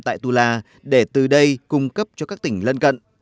tại tula để từ đây cung cấp cho các tỉnh lân cận